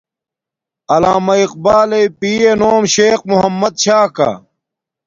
علامہ اقبال یݵ پیے نوم شیخ محمد چھا کا